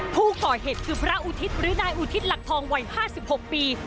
ผู้ก่อเหตุคือพระอุทิศหรือนายอุทิศหลักทองวัย๕๖ปี